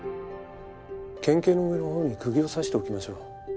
県警の上のほうにくぎを刺しておきましょう。